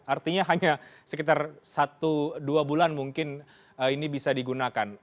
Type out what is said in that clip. artinya hanya sekitar satu dua bulan mungkin ini bisa digunakan